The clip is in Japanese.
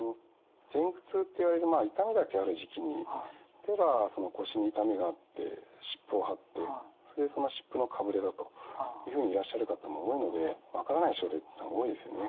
前駆痛っていわれる痛みだけある時期に例えば腰に痛みがあって湿布を貼ってそれでその湿布のかぶれだというふうにいらっしゃる方も多いので分からない症例っていうのは多いですよね